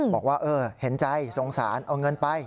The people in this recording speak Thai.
บอกว่าเห็นใจสงสารเอาเงินไป